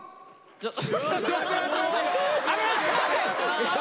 ちょっと！